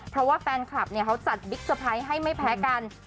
เพราะว่าแฟนคลับเนี่ยเขาจัดบิ๊กเซอร์ไพรส์ให้ไม่แพ้กัน